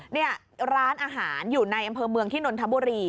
นี่ร้านอาหารอยู่ในอำเภอเมืองที่นนทบุรี